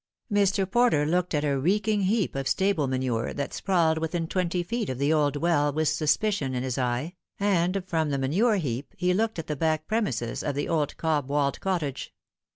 Mr. Porter looked at a reeking heap of stable manure that sprawled within twenty feet of the old well with suspicion in hig eye, and from the manure heap he looked'al the back premise* of the old cob walled cottage.